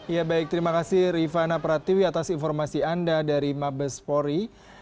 ya baik terima kasih rifana pratiwi atas informasi anda dari mabespori